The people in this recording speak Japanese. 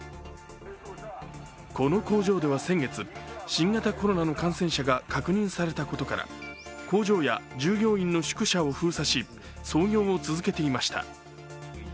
この工場では先月新型コロナの感染者が確認されたことから工場や従業員の宿舎を封鎖し操業を続けていました。